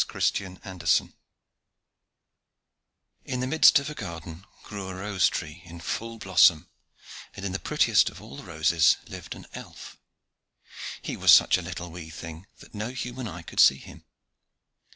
THE ELF OF THE ROSE In the midst of a garden grew a rose tree, in full blossom, and in the prettiest of all the roses lived an elf. He was such a little wee thing, that no human eye could see him.